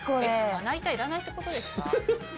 まな板いらないってことですか？